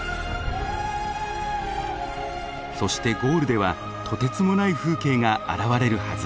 そしてゴールではとてつもない風景が現れるはず。